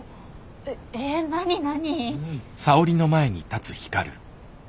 ええ何何？